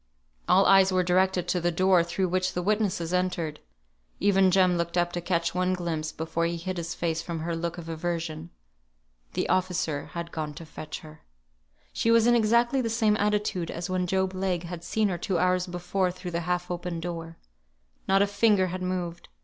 All eyes were directed to the door through which the witnesses entered. Even Jem looked up to catch one glimpse before he hid his face from her look of aversion. The officer had gone to fetch her. She was in exactly the same attitude as when Job Legh had seen her two hours before through the half open door. Not a finger had moved.